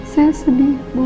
saya sedih bu